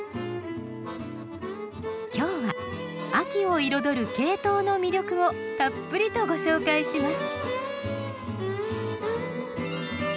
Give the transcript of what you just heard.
今日は秋を彩るケイトウの魅力をたっぷりとご紹介します。